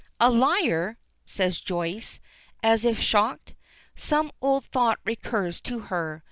"A liar!" says Joyce, as if shocked. Some old thought recurs to her.